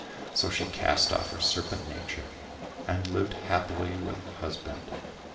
So she cast off her serpent nature, and lived happily with her husband.